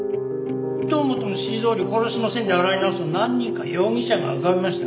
堂本の指示どおり殺しの線で洗い直すと何人か容疑者が浮かびました。